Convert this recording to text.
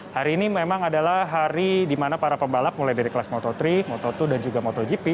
hari ini memang adalah hari di mana para pembalap mulai dari kelas moto tiga moto dua dan juga motogp